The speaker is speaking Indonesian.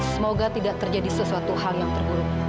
semoga tidak terjadi sesuatu hal yang terburuk